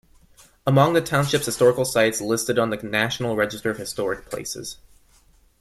Among the Township's historical sites listed on the National Register of Historic Places.